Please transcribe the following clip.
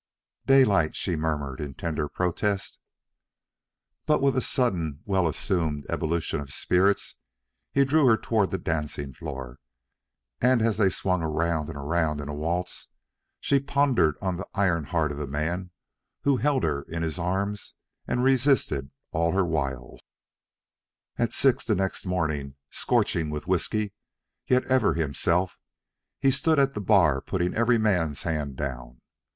"Daylight," she murmured, in tender protest. But with a sudden well assumed ebullition of spirits he drew her toward the dancing floor, and as they swung around and around in a waltz she pondered on the iron heart of the man who held her in his arms and resisted all her wiles. At six the next morning, scorching with whiskey, yet ever himself, he stood at the bar putting every man's hand down.